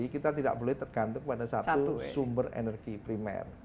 kita tidak boleh tergantung pada satu sumber energi primer